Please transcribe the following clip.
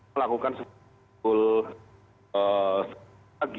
melakukan sebulan lagi